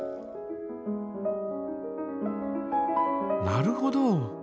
なるほど。